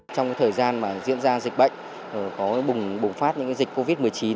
trong thời gian diễn ra dịch bệnh bùng phát dịch covid một mươi chín